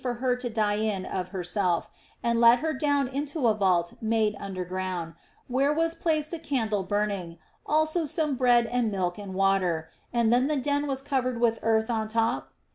255 for her to die in of herself, and let her down into a vault made under ground, where was placed a candle burning•, also some bread and milk and water, and then the den was covered with earth on top